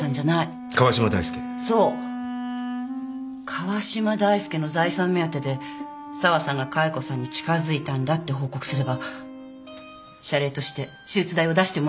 川嶋大介の財産目当てで沢さんが加代子さんに近づいたんだって報告すれば謝礼として手術代を出してもらえるかもしれない。